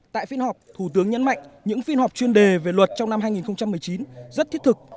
tại phiên họp thủ tướng nhấn mạnh những phiên họp chuyên đề về luật trong năm hai nghìn một mươi chín rất thiết thực